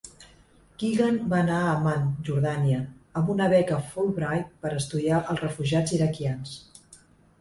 Keegan va anar a Amman, Jordània, amb una beca Fulbright per estudiar els refugiats iraquians.